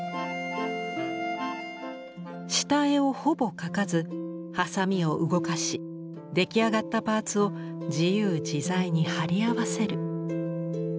下絵をほぼ描かずハサミを動かし出来上がったパーツを自由自在に貼り合わせる。